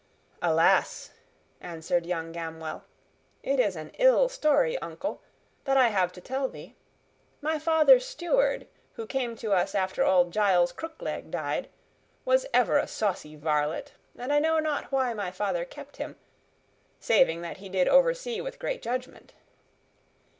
"Alas!" answered young Gamwell, "it is an ill story, uncle, that I have to tell thee. My father's steward, who came to us after old Giles Crookleg died, was ever a saucy varlet, and I know not why my father kept him, saving that he did oversee with great judgment.